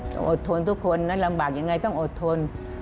ต้องอดทนทุกคนแล้วลำบากอย่างไรต้องอดทน